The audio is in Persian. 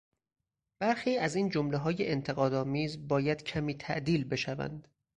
برخی از این جملههای انتقاد آمیز باید کمی تعدیل بشوند.